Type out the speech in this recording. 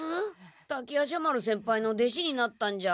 滝夜叉丸先輩の弟子になったんじゃ？